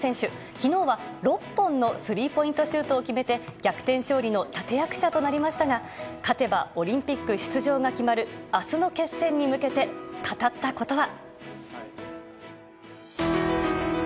昨日は６本のスリーポイントシュートを決めて逆転勝利の立役者となりましたが勝てばオリンピック出場が決まる明日の決戦に向けて語ったことは。